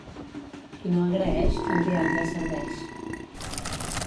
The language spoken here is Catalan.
Qui no agraeix, el diable serveix.